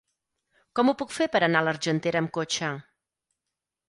Com ho puc fer per anar a l'Argentera amb cotxe?